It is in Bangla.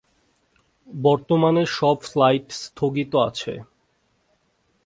বর্তমানে সব ফ্লাইট স্থগিত আছে।